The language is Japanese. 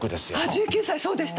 １９歳そうでした。